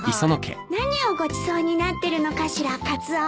何をごちそうになってるのかしらカツオお兄さま。